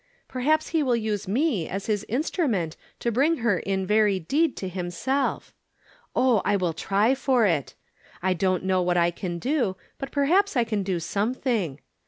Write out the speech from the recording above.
Perhaps He will use me as his instrument to bring her in very deed to himself. Oh, I will try for it. I don't know what I can do, but perhaps I can do something.